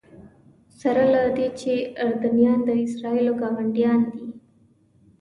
سره له دې چې اردنیان د اسرائیلو ګاونډیان دي.